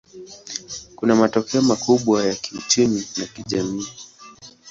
Kuna matokeo makubwa ya kiuchumi na kijamii.